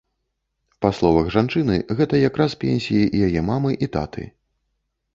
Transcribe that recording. Па словах жанчыны, гэта якраз пенсіі яе мамы і таты.